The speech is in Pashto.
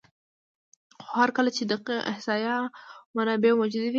خو هر کله چې دقیق احصایه او منابع موجود وي،